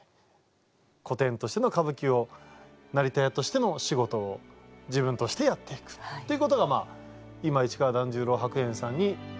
古典としての歌舞伎を成田屋としての仕事を自分としてやっていくっていうことが今市川團十郎白猿さんに私が期待することです。